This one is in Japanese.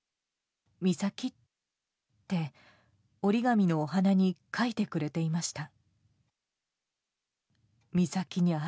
みさきって折り紙のお花に書いてくれました。